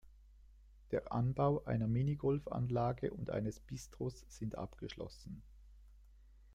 Der Anbau einer Minigolfanlage und eines Bistros sind abgeschlossen.